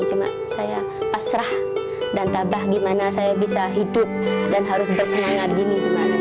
cuma saya pasrah dan tabah gimana saya bisa hidup dan harus bersemangat gini